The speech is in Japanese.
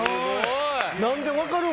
何で分かるん？